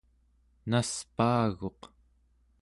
naspaaguq